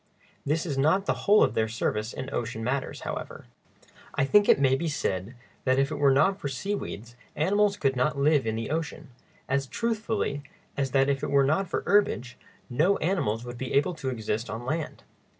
This is not the whole of their service in ocean matters, however. I think it may be said that if it were not for seaweeds animals could not live in the ocean, as truthfully as that if it were not for herbage no animals would be able to exist on land.